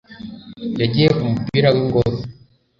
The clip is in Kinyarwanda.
yagiye kumupira wingoro